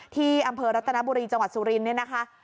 ที่อำเภอรัตนบุรีจังหวัดสุรินทร์เนี่ยนะคะ